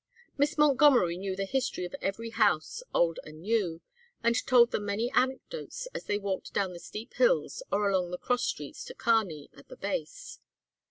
Miss Montgomery knew the history of every house old and new, and told them many anecdotes as they walked down the steep hills or along the cross streets to Kearney, at the base.